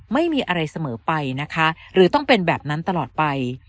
ไม่มีอะไรเสมอไปนะคะหรือต้องเป็นแบบนั้นตลอดไป